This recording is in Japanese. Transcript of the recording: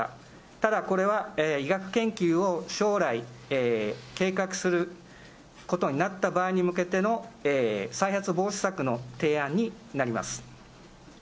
ただこれは、医学研究を将来、計画することになった場合に向けての再発防止策の提案になります。